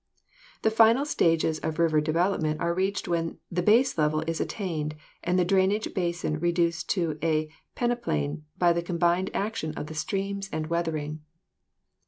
The final stages of river development are reached when the base level is attained and the drainage basin reduced to a peneplain by the combined action of the streams and weathering.